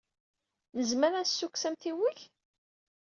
Nezmer ad d-nessukkes amtiweg?